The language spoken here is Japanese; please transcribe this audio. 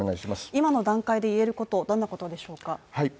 今の段階で言えることはどんなことでしょうか？